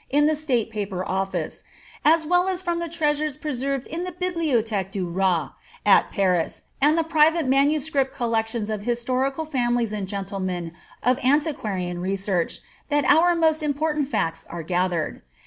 in the State Paper Office, as well as from the treasures preserved in the Bihliotkhque du A»t, at Paris, and the private MS. collections of historical families and gentle men of antiquarian research, that our most important facta are gathered.